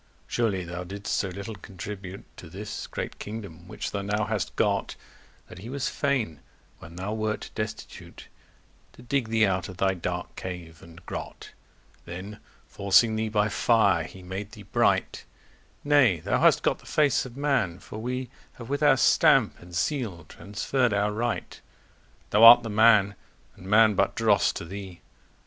Surely thou didst so little contribute To this great kingdome, which thou now hast got, That he was fain, when thou wert destitute, To digge thee out of thy dark cave and grot: Then forcing thee by fire he made thee bright: Nay, thou hast got the face of man; for we Have with our stamp and seel transferr'd our right: Thou art the man, and man but drosse to thee.